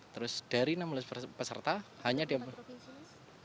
lalu dari enam belas peserta hanya diambil